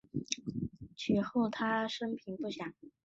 其后他生平不详。